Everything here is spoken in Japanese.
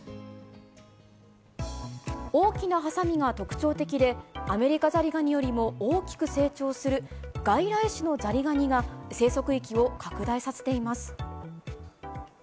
大きなはさみが特徴的で、アメリカザリガニよりも大きく成長する外来種のザリガニが、生息域を拡大させています。